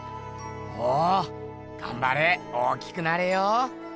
おおがんばれ大きくなれよ！